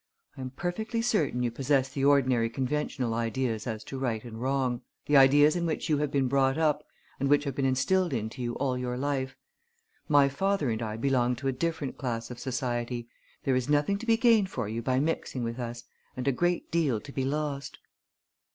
I am perfectly certain you possess the ordinary conventional ideas as to right and wrong the ideas in which you have been brought up and which have been instilled into you all your life. My father and I belong to a different class of society. There is nothing to be gained for you by mixing with us, and a great deal to be lost."